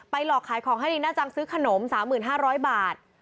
หลอกขายของให้ลีน่าจังซื้อขนม๓๕๐๐บาท